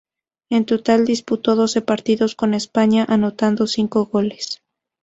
En total disputó doce partidos con España, anotando cinco goles.